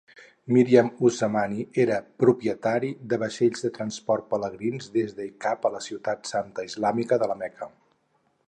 Mariam-uz-Zamani era propietari de vaixells que transportaven pelegrins des de i cap a la ciutat santa islàmica de la Meca.